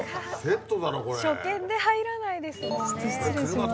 初見で入らないですもんね。